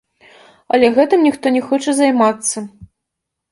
Але гэтым ніхто не хоча займацца.